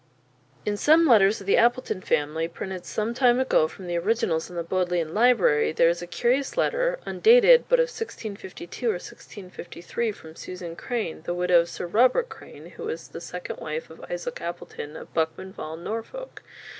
In some letters of the Appleton family, printed some time ago from the originals in the Bodleian Library, there is a curious letter, undated, but of 1652 or 1653, from Susan Crane, the widow of Sir Robert Crane, who was the second wife of Isaac Appleton of Buckman Vall, Norfolk.